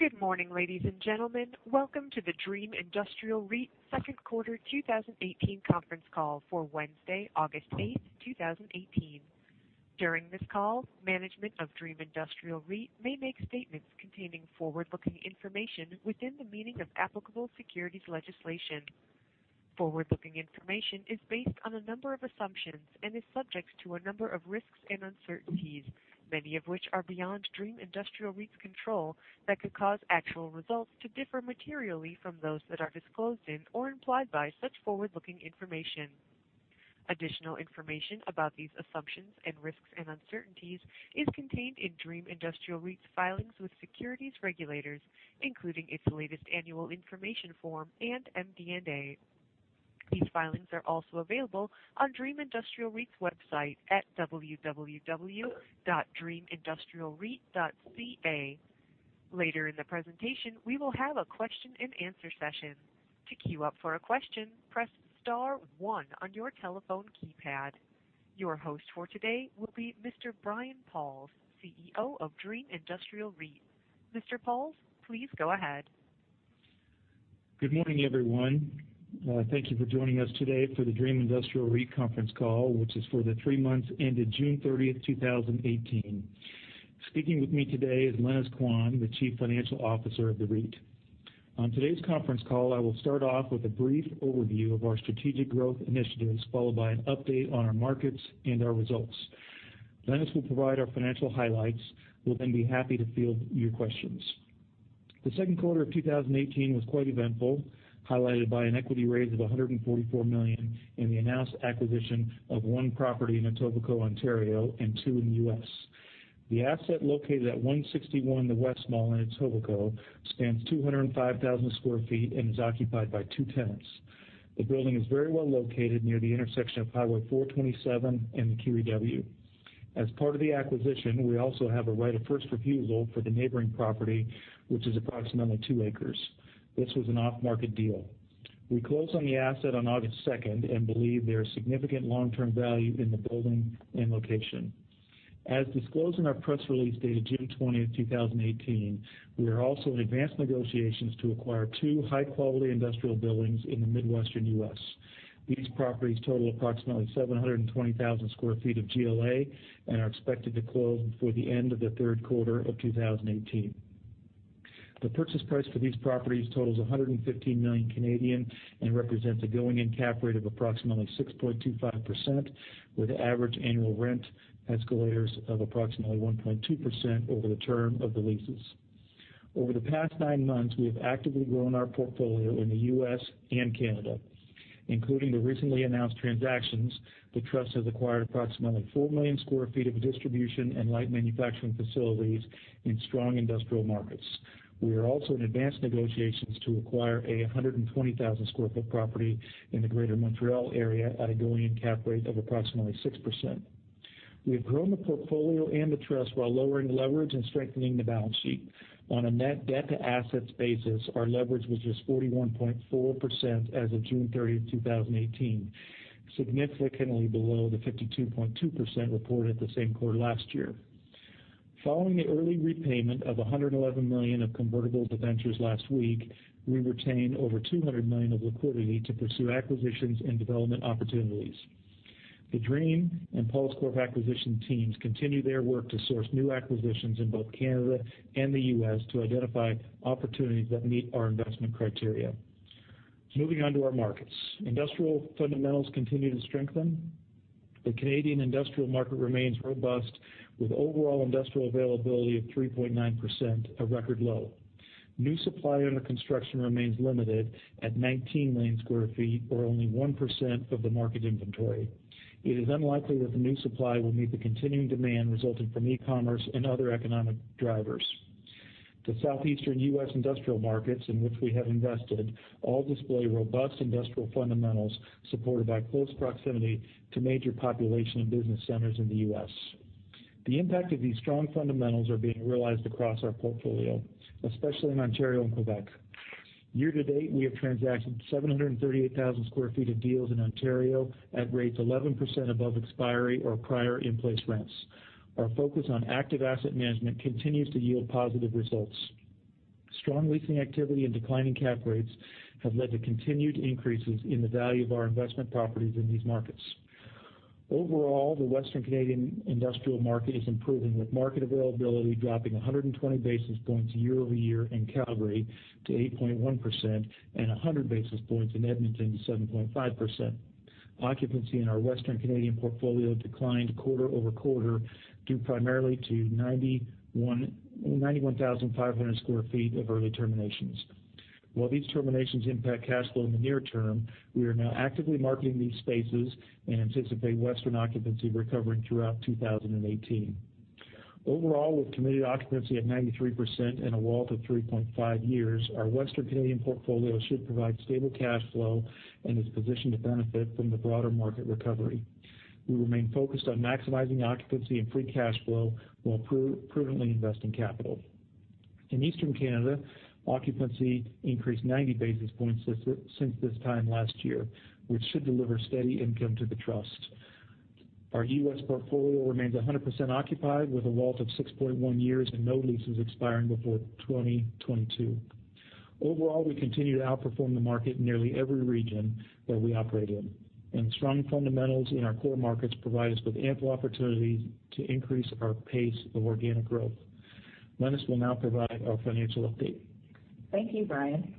Good morning, ladies and gentlemen. Welcome to the Dream Industrial REIT second quarter 2018 conference call for Wednesday, August 8, 2018. During this call, management of Dream Industrial REIT may make statements containing forward-looking information within the meaning of applicable securities legislation. Forward-looking information is based on a number of assumptions and is subject to a number of risks and uncertainties, many of which are beyond Dream Industrial REIT's control, that could cause actual results to differ materially from those that are disclosed in or implied by such forward-looking information. Additional information about these assumptions and risks and uncertainties is contained in Dream Industrial REIT's filings with securities regulators, including its latest annual information form and MD&A. These filings are also available on www.dreamindustrialreit.ca. Later in the presentation, we will have a question and answer session. To queue up for a question, press *1 on your telephone keypad. Your host for today will be Mr. Brian Pauls, CEO of Dream Industrial REIT. Mr. Pauls, please go ahead. Good morning, everyone. Thank you for joining us today for the Dream Industrial REIT conference call, which is for the three months ended June 30, 2018. Speaking with me today is Lenis Quan, the Chief Financial Officer of the REIT. On today's conference call, I will start off with a brief overview of our strategic growth initiatives, followed by an update on our markets and our results. Lenis will provide our financial highlights. We'll then be happy to field your questions. The second quarter of 2018 was quite eventful, highlighted by an equity raise of 144 million in the announced acquisition of one property in Etobicoke, Ontario, and two in the U.S. The asset located at 161 The West Mall in Etobicoke stands 205,000 sq ft and is occupied by two tenants. The building is very well located near the intersection of Highway 427 and the QEW. As part of the acquisition, we also have a right of first refusal for the neighboring property, which is approximately two acres. This was an off-market deal. We close on the asset on August 2nd and believe there is significant long-term value in the building and location. As disclosed in our press release dated June 20th, 2018, we are also in advanced negotiations to acquire two high-quality industrial buildings in the Midwestern U.S. These properties total approximately 720,000 sq ft of GLA and are expected to close before the end of the third quarter of 2018. The purchase price for these properties totals 115 million Canadian dollars and represents a going-in cap rate of approximately 6.25%, with average annual rent escalators of approximately 1.2% over the term of the leases. Over the past nine months, we have actively grown our portfolio in the U.S. and Canada. Including the recently announced transactions, the trust has acquired approximately 4 million square feet of distribution and light manufacturing facilities in strong industrial markets. We are also in advanced negotiations to acquire a 120,000-square-foot property in the greater Montreal area at a going-in cap rate of approximately 6%. We have grown the portfolio and the trust while lowering leverage and strengthening the balance sheet. On a net debt to assets basis, our leverage was just 41.4% as of June 30th, 2018, significantly below the 52.2% reported the same quarter last year. Following the early repayment of 111 million of convertible debentures last week, we retain over 200 million of liquidity to pursue acquisitions and development opportunities. The Dream and PaulsCorp acquisition teams continue their work to source new acquisitions in both Canada and the U.S. to identify opportunities that meet our investment criteria. Moving on to our markets. Industrial fundamentals continue to strengthen. The Canadian industrial market remains robust, with overall industrial availability of 3.9%, a record low. New supply under construction remains limited at 19 million square feet, or only 1% of the market inventory. It is unlikely that the new supply will meet the continuing demand resulting from e-commerce and other economic drivers. The southeastern U.S. industrial markets in which we have invested all display robust industrial fundamentals supported by close proximity to major population and business centers in the U.S. The impact of these strong fundamentals are being realized across our portfolio, especially in Ontario and Quebec. Year-to-date, we have transacted 738,000 square feet of deals in Ontario at rates 11% above expiry or prior in-place rents. Our focus on active asset management continues to yield positive results. Strong leasing activity and declining cap rates have led to continued increases in the value of our investment properties in these markets. Overall, the western Canadian industrial market is improving, with market availability dropping 120 basis points year-over-year in Calgary to 8.1% and 100 basis points in Edmonton to 7.5%. Occupancy in our western Canadian portfolio declined quarter-over-quarter, due primarily to 91,500 square feet of early terminations. While these terminations impact cash flow in the near term, we are now actively marketing these spaces and anticipate western occupancy recovering throughout 2018. Overall, with committed occupancy at 93% and a WALT of 3.5 years, our western Canadian portfolio should provide stable cash flow and is positioned to benefit from the broader market recovery. We remain focused on maximizing occupancy and free cash flow while prudently investing capital. In Eastern Canada, occupancy increased 90 basis points since this time last year, which should deliver steady income to the trust. Our U.S. portfolio remains 100% occupied with a WALT of 6.1 years and no leases expiring before 2022. Overall, we continue to outperform the market in nearly every region that we operate in. Strong fundamentals in our core markets provide us with ample opportunities to increase our pace of organic growth. Lenis will now provide our financial update. Thank you, Brian.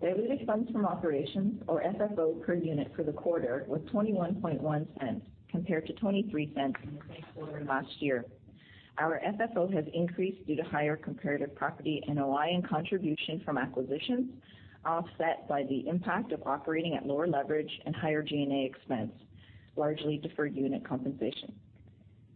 Diluted funds from operations or FFO per unit for the quarter was 0.211 compared to 0.23 in the same quarter last year. Our FFO has increased due to higher comparative property NOI and contribution from acquisitions, offset by the impact of operating at lower leverage and higher G&A expense, largely deferred unit compensation.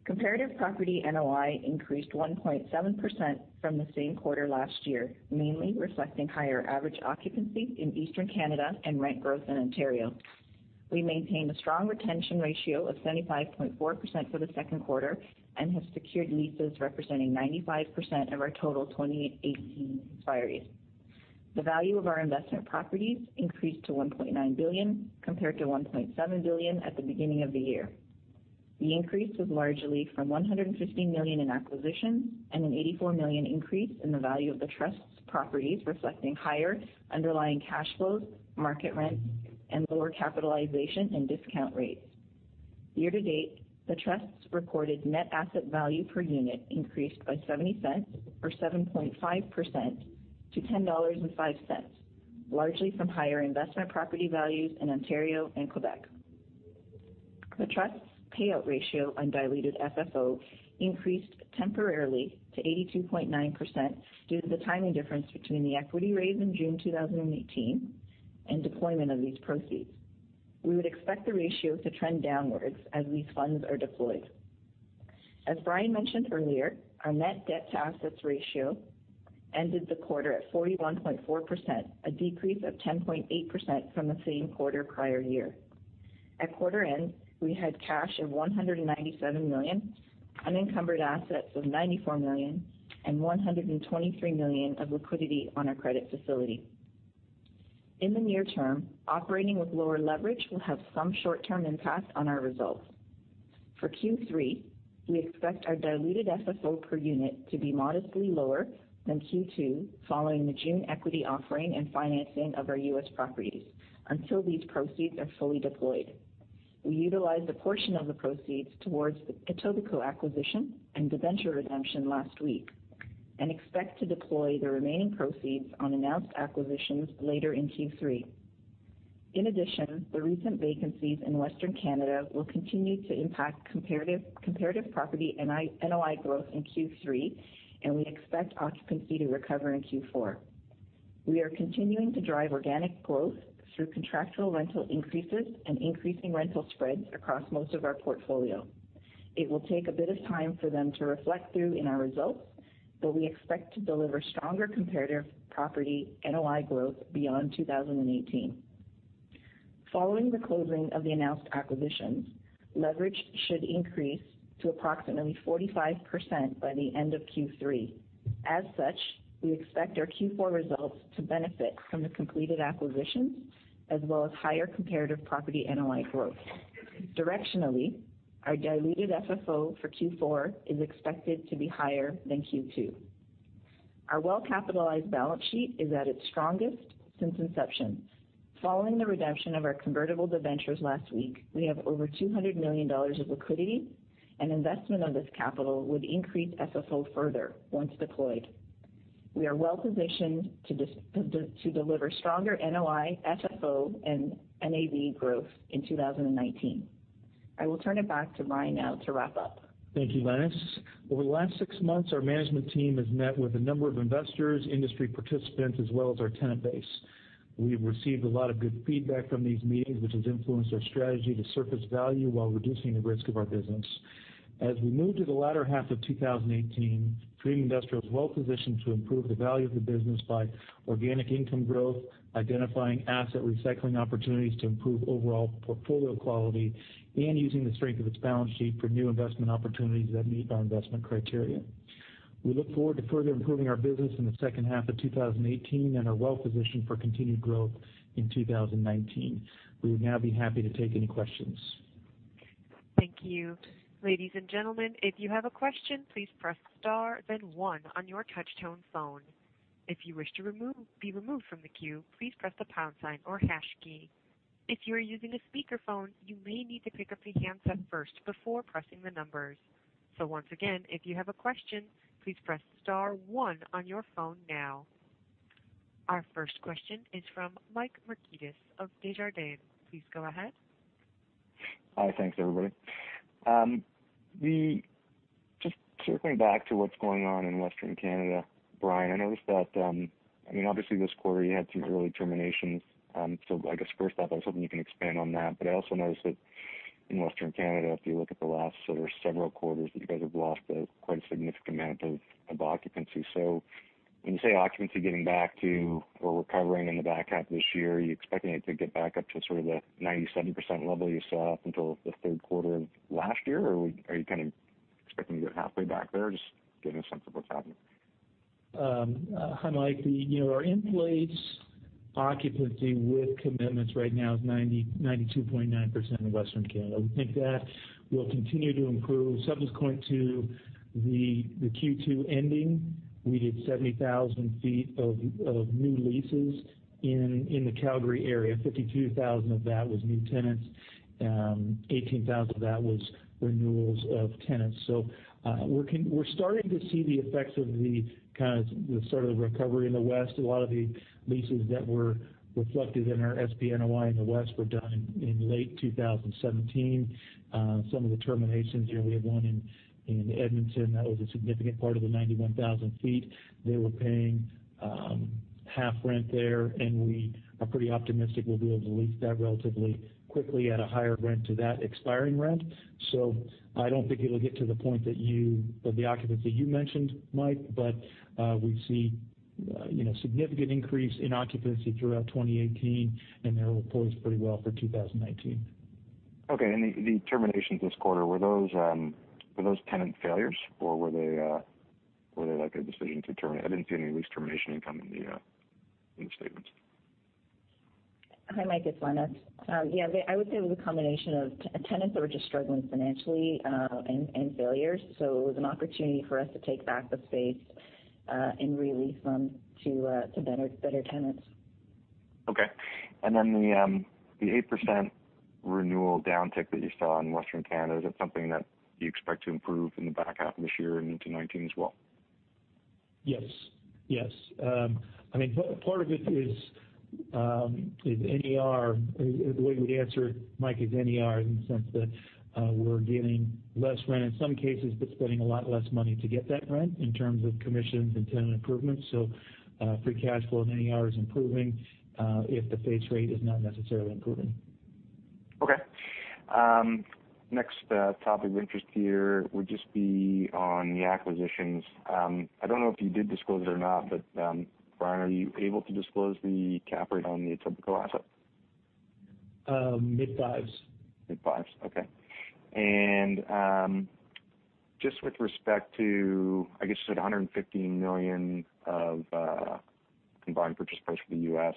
Comparative property NOI increased 1.7% from the same quarter last year, mainly reflecting higher average occupancy in Eastern Canada and rent growth in Ontario. We maintained a strong retention ratio of 75.4% for the second quarter and have secured leases representing 95% of our total 2018 expiries. The value of our investment properties increased to 1.9 billion, compared to 1.7 billion at the beginning of the year. The increase was largely from 150 million in acquisitions and a 84 million increase in the value of the trust's properties, reflecting higher underlying cash flows, market rents, and lower capitalization and discount rates. Year-to-date, the trust's reported net asset value per unit increased by 0.70, or 7.5%, to 10.05 dollars, largely from higher investment property values in Ontario and Quebec. The trust's payout ratio on diluted FFO increased temporarily to 82.9% due to the timing difference between the equity raise in June 2018 and deployment of these proceeds. We would expect the ratio to trend downwards as these funds are deployed. As Brian mentioned earlier, our net debt-to-assets ratio ended the quarter at 41.4%, a decrease of 10.8% from the same quarter prior year. At quarter end, we had cash of 197 million, unencumbered assets of 94 million, and 123 million of liquidity on our credit facility. In the near term, operating with lower leverage will have some short-term impact on our results. For Q3, we expect our diluted FFO per unit to be modestly lower than Q2 following the June equity offering and financing of our U.S. properties until these proceeds are fully deployed. We utilized a portion of the proceeds towards the Etobicoke acquisition and debenture redemption last week and expect to deploy the remaining proceeds on announced acquisitions later in Q3. In addition, the recent vacancies in Western Canada will continue to impact comparative property NOI growth in Q3, and we expect occupancy to recover in Q4. We are continuing to drive organic growth through contractual rental increases and increasing rental spreads across most of our portfolio. It will take a bit of time for them to reflect through in our results, but we expect to deliver stronger comparative property NOI growth beyond 2018. Following the closing of the announced acquisitions, leverage should increase to approximately 45% by the end of Q3. We expect our Q4 results to benefit from the completed acquisitions, as well as higher comparative property NOI growth. Directionally, our diluted FFO for Q4 is expected to be higher than Q2. Our well-capitalized balance sheet is at its strongest since inception. Following the redemption of our convertible debentures last week, we have over 200 million dollars of liquidity, and investment of this capital would increase FFO further once deployed. We are well-positioned to deliver stronger NOI, FFO, and NAV growth in 2019. I will turn it back to Brian now to wrap up. Thank you, Lenis. Over the last six months, our management team has met with a number of investors, industry participants, as well as our tenant base. We've received a lot of good feedback from these meetings, which has influenced our strategy to surface value while reducing the risk of our business. As we move to the latter half of 2018, Dream Industrial is well positioned to improve the value of the business by organic income growth, identifying asset recycling opportunities to improve overall portfolio quality, and using the strength of its balance sheet for new investment opportunities that meet our investment criteria. We look forward to further improving our business in the second half of 2018 and are well positioned for continued growth in 2019. We would now be happy to take any questions. Thank you. Ladies and gentlemen, if you have a question, please press star, then one on your touch-tone phone. If you wish to be removed from the queue, please press the pound sign or hash key. If you are using a speakerphone, you may need to pick up your handset first before pressing the numbers. Once again, if you have a question, please press star one on your phone now. Our first question is from Mike Markidis of Desjardins. Please go ahead. Hi, thanks, everybody. Just circling back to what's going on in Western Canada, Brian, I noticed that, obviously this quarter you had some early terminations. I guess first off, I was hoping you can expand on that, I also noticed that in Western Canada, if you look at the last sort of several quarters, that you guys have lost a quite significant amount of occupancy. When you say occupancy getting back to or recovering in the back half of this year, are you expecting it to get back up to sort of the 97% level you saw up until the third quarter of last year? Are you kind of expecting to get halfway back there? Just give me a sense of what's happening. Hi, Mike. Our in-place occupancy with commitments right now is 92.9% in Western Canada. We think that will continue to improve subsequent to the Q2 ending. We did 70,000 feet of new leases in the Calgary area. 52,000 of that was new tenants. 18,000 of that was renewals of tenants. We're starting to see the effects of the sort of recovery in the West. A lot of the leases that were reflected in our SPNOI in the West were done in late 2017. Some of the terminations, we had one in Edmonton that was a significant part of the 91,000 feet. They were paying half rent there, we are pretty optimistic we'll be able to lease that relatively quickly at a higher rent to that expiring rent. I don't think it'll get to the point of the occupancy you mentioned, Mike, but we see significant increase in occupancy throughout 2018, and that'll poise pretty well for 2019. The terminations this quarter, were those tenant failures, or were they a decision to terminate? I didn't see any lease termination income in the statements. Hi, Mike, it's Lenis. I would say it was a combination of tenants that were just struggling financially, and failures. It was an opportunity for us to take back the space, and re-lease them to better tenants. The 8% renewal downtick that you saw in Western Canada, is that something that you expect to improve and then back out this year and into 2019 as well? Yes. Part of it is the way we'd answer, Mike, is NER, in the sense that we're getting less rent in some cases, but spending a lot less money to get that rent in terms of commissions and tenant improvements. Free cash flow in NER is improving, if the face rate is not necessarily improving. Next topic of interest here would just be on the acquisitions. I don't know if you did disclose it or not, but, Brian, are you able to disclose the cap rate on the typical asset? Mid fives. Mid fives, okay. Just with respect to, I guess you said 150 million of combined purchase price for the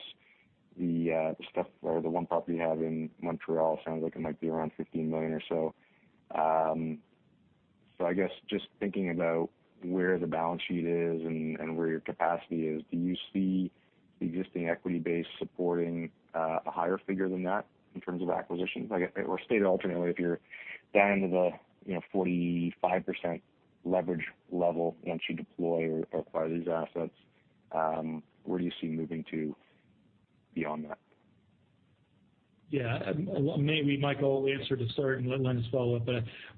U.S. The one property you have in Montreal sounds like it might be around 15 million or so. I guess just thinking about where the balance sheet is and where your capacity is, do you see the existing equity base supporting a higher figure than that in terms of acquisitions? Or stated alternately, if you're down to the 45% leverage level once you deploy or acquire these assets, where do you see moving to beyond that? Yeah. Maybe, Mike, I'll answer to start and let Lenis follow up.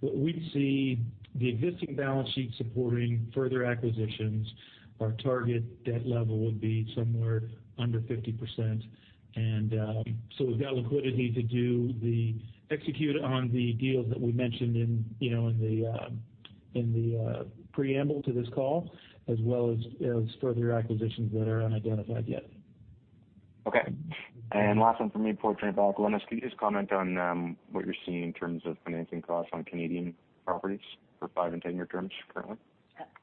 We see the existing balance sheet supporting further acquisitions. Our target debt level would be somewhere under 50%. We've got liquidity to execute on the deals that we mentioned in the preamble to this call, as well as further acquisitions that are unidentified yet. Okay. Last one from me before I turn it back. Lenis, can you just comment on what you're seeing in terms of financing costs on Canadian properties for five and 10-year terms currently?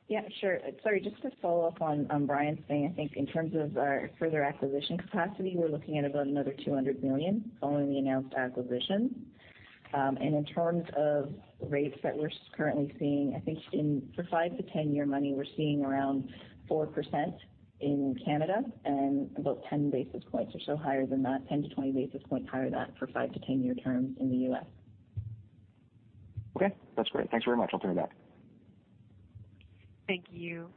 Yeah, sure. Sorry, just to follow up on Brian's thing, I think in terms of our further acquisition capacity, we're looking at about another 200 million following the announced acquisition. In terms of rates that we're currently seeing, I think for five to 10-year money, we're seeing around 4% in Canada and about 10 basis points or so higher than that, 10 to 20 basis points higher than that for five to 10-year terms in the U.S. Okay, that's great. Thanks very much. I'll turn it back. Thank you.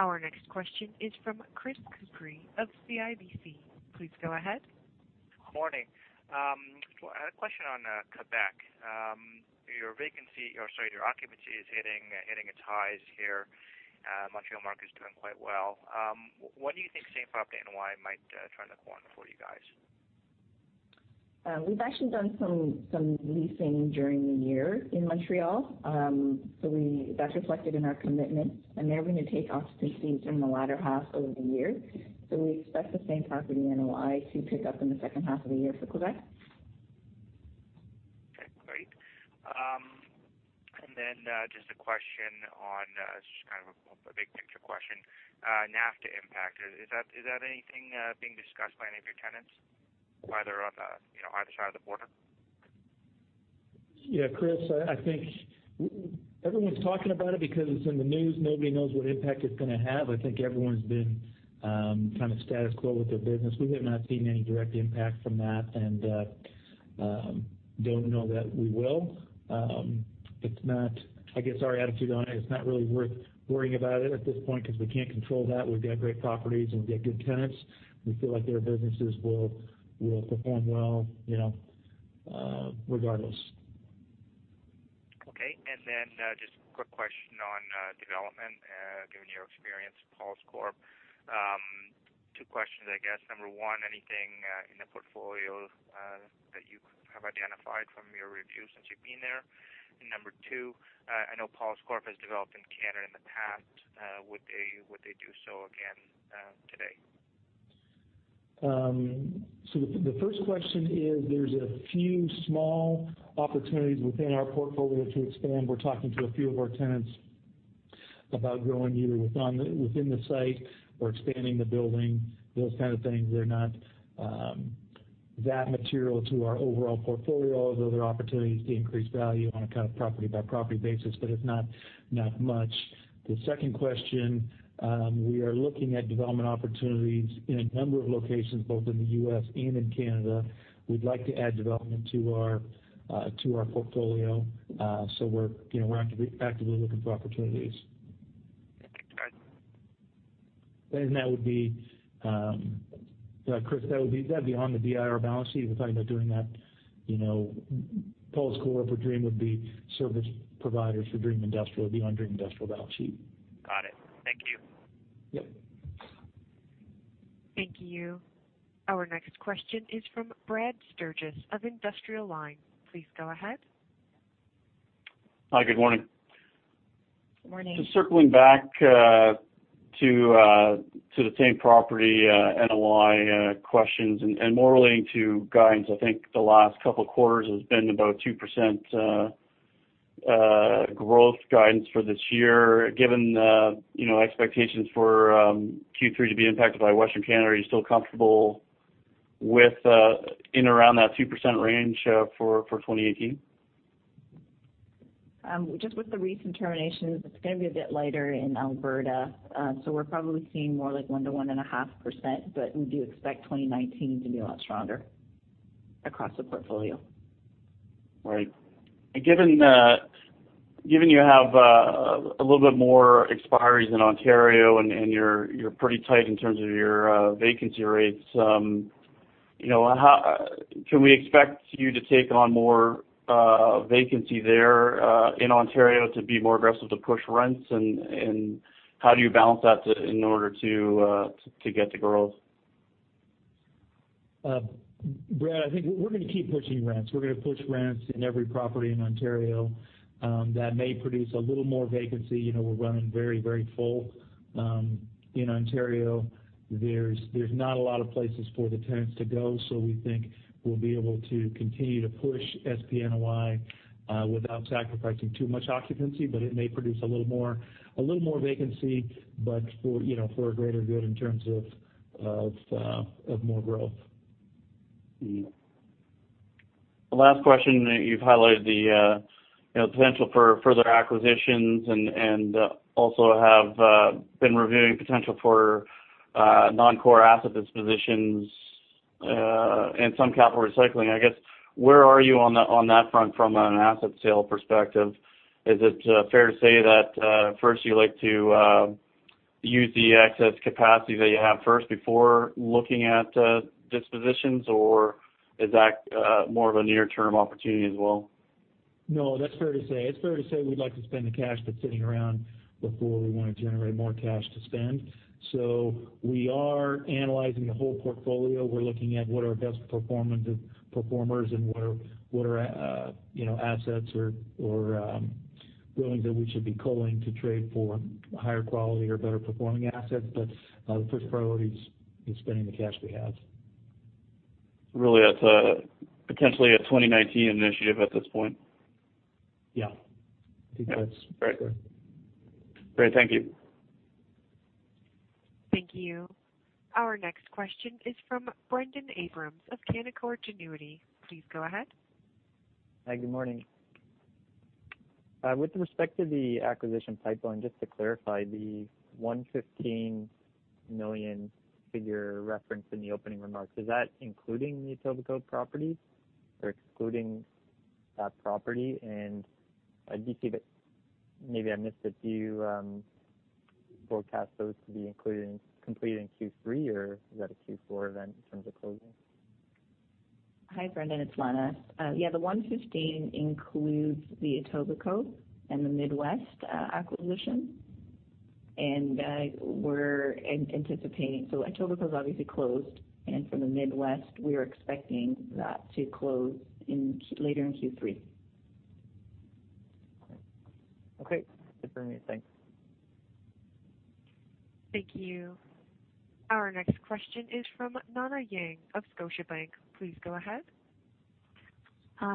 Our next question is from Chris Couprie of CIBC. Please go ahead. Morning. A question on Quebec. Your vacancy, or sorry, your occupancy is hitting its highs here. Montreal market's doing quite well. When do you think same property NOI might turn the corner for you guys? We've actually done some leasing during the year in Montreal. That's reflected in our commitments, and they're going to take occupancy in the latter half over the year. We expect the same property NOI to pick up in the second half of the year for Quebec. Okay, great. Just a question on, it's just kind of a big picture question. NAFTA impact. Is that anything being discussed by any of your tenants, whether on either side of the border? Yeah, Chris, I think everyone's talking about it because it's in the news. Nobody knows what impact it's going to have. I think everyone's been kind of status quo with their business. We have not seen any direct impact from that, and don't know that we will. I guess our attitude on it is not really worth worrying about it at this point because we can't control that. We've got great properties, and we've got good tenants. We feel like their businesses will perform well regardless. Okay, just a quick question on development, given your experience with PaulsCorp. Two questions, I guess. Number one, anything in the portfolio that you have identified from your review since you've been there? Number two, I know PaulsCorp has developed in Canada in the past. Would they do so again? The first question is there's a few small opportunities within our portfolio to expand. We're talking to a few of our tenants about growing either within the site or expanding the building, those kind of things. They're not that material to our overall portfolio. Those are opportunities to increase value on a property-by-property basis, but it's not much. The second question, we are looking at development opportunities in a number of locations, both in the U.S. and in Canada. We'd like to add development to our portfolio. We're actively looking for opportunities. Got it. Chris, that'd be on the DIR balance sheet. We're talking about doing that PaulsCorp, if a Dream would be service providers for Dream Industrial, it'd be on Dream Industrial balance sheet. Got it. Thank you. Yep. Thank you. Our next question is from Brad Sturges of Industrial Alliance. Please go ahead. Hi, good morning. Good morning. Just circling back to the same property NOI questions and more relating to guidance. I think the last couple of quarters has been about 2% growth guidance for this year. Given the expectations for Q3 to be impacted by Western Canada, are you still comfortable with in around that 2% range for 2018? Just with the recent terminations, it's going to be a bit lighter in Alberta. We're probably seeing more like 1%-1.5%, but we do expect 2019 to be a lot stronger across the portfolio. Right. Given you have a little bit more expiries in Ontario and you're pretty tight in terms of your vacancy rates, can we expect you to take on more vacancy there in Ontario to be more aggressive to push rents? How do you balance that in order to get the growth? Brad, I think we're going to keep pushing rents. We're going to push rents in every property in Ontario. That may produce a little more vacancy. We're running very full. In Ontario, there's not a lot of places for the tenants to go. We think we'll be able to continue to push SP NOI without sacrificing too much occupancy. It may produce a little more vacancy, for a greater good in terms of more growth. The last question, you've highlighted the potential for further acquisitions and also have been reviewing potential for non-core asset dispositions and some capital recycling. I guess, where are you on that front from an asset sale perspective? Is it fair to say that first you like to use the excess capacity that you have first before looking at dispositions? Is that more of a near-term opportunity as well? That's fair to say. It's fair to say we'd like to spend the cash that's sitting around before we want to generate more cash to spend. We are analyzing the whole portfolio. We're looking at what our best performers, and what are our assets or buildings that we should be culling to trade for higher quality or better performing assets. The first priority is spending the cash we have. Really, that's potentially a 2019 initiative at this point. Yeah. I think that's correct. Great. Thank you. Thank you. Our next question is from Brendon Abrams of Canaccord Genuity. Please go ahead. Hi, good morning. With respect to the acquisition pipeline, just to clarify, the 115 million figure referenced in the opening remarks, is that including the Etobicoke property or excluding that property? Maybe I missed it. Do you forecast those to be completed in Q3, or is that a Q4 event in terms of closing? Hi, Brendon, it's Lenis. Yeah, the 115 million includes the Etobicoke and the Midwest acquisition. Etobicoke is obviously closed, and for the Midwest, we are expecting that to close later in Q3. Okay. Good for me. Thanks. Thank you. Our next question is from Nana Yang of Scotiabank. Please go ahead.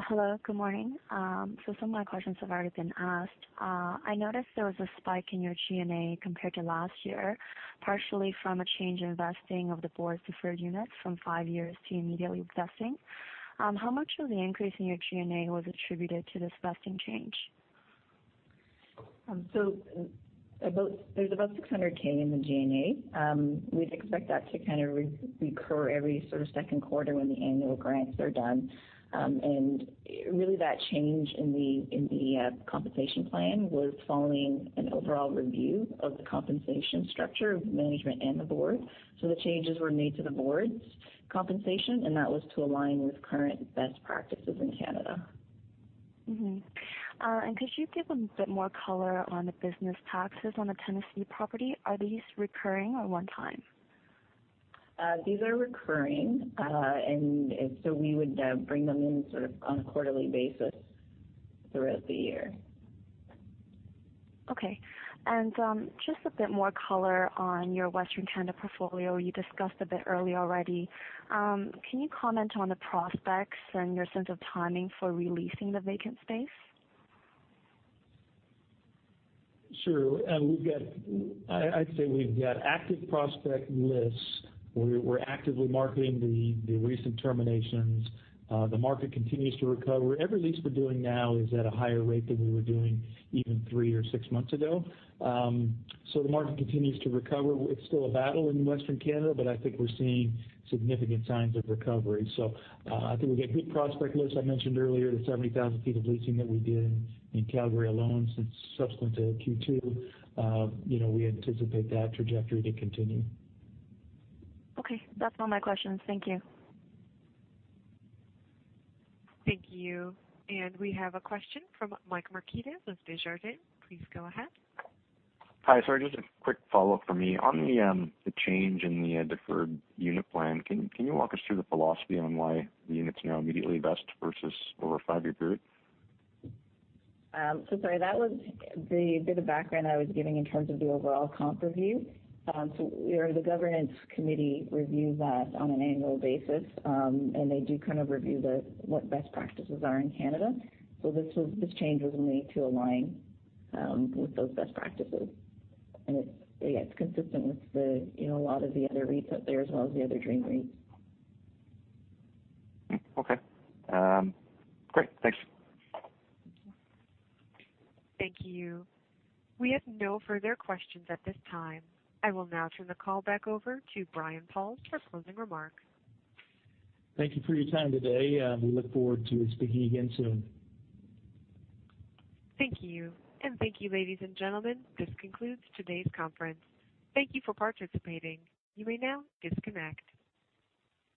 Hello, good morning. Some of my questions have already been asked. I noticed there was a spike in your G&A compared to last year, partially from a change in vesting of the board's deferred units from five years to immediately vesting. How much of the increase in your G&A was attributed to this vesting change? There's about 600,000 in the G&A. We'd expect that to recur every sort of second quarter when the annual grants are done. Really that change in the compensation plan was following an overall review of the compensation structure of management and the board. The changes were made to the board's compensation, and that was to align with current best practices in Canada. Could you give a bit more color on the business taxes on the Tennessee property? Are these recurring or one time? These are recurring. We would bring them in sort of on a quarterly basis throughout the year. Just a bit more color on your Western Canada portfolio. You discussed a bit earlier already. Can you comment on the prospects and your sense of timing for releasing the vacant space? Sure. I'd say we've got active prospect lists. We are actively marketing the recent terminations. The market continues to recover. Every lease we are doing now is at a higher rate than we were doing even three or six months ago. The market continues to recover. It is still a battle in Western Canada, I think we are seeing significant signs of recovery. I think we have got good prospect lists. I mentioned earlier the 70,000 feet of leasing that we did in Calgary alone since subsequent to Q2. We anticipate that trajectory to continue. Okay. That is all my questions. Thank you. Thank you. We have a question from Michael Markidis with Desjardins. Please go ahead. Hi. Sorry, just a quick follow-up from me. On the change in the deferred unit plan, can you walk us through the philosophy on why the unit is now immediately vest versus over a five-year period? Sorry, that was the bit of background I was giving in terms of the overall comp review. The governance committee reviews that on an annual basis, and they do kind of review what best practices are in Canada. This change was made to align with those best practices. It's consistent with a lot of the other REITs out there as well as the other Dream REITs. Okay. Great. Thanks. Thank you. We have no further questions at this time. I will now turn the call back over to Brian Pauls for closing remarks. Thank you for your time today. We look forward to speaking again soon. Thank you. Thank you, ladies and gentlemen. This concludes today's conference. Thank you for participating. You may now disconnect.